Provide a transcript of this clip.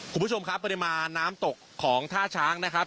คุณผู้ชมครับปริมาณน้ำตกของท่าช้างนะครับ